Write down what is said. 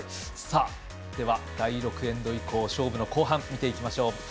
では、第６エンド以降勝負の後半見ていきましょう。